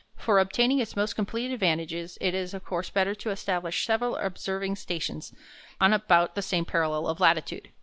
For obtaining its most complete advantages it is, of course, better to establish several observing stations on about the same parallel of latitude.